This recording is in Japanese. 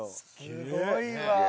すごいわ。